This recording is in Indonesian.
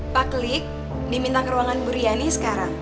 pak klik diminta ke ruangan bu riani sekarang